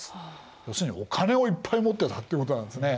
要するにお金をいっぱい持ってたってことなんですね。